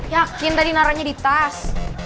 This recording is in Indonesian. yakin tadi naro nya di tas